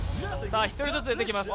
１人ずつ出てきます。